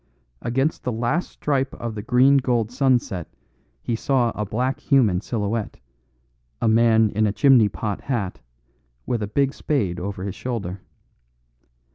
Against the last stripe of the green gold sunset he saw a black human silhouette; a man in a chimney pot hat, with a big spade over his shoulder.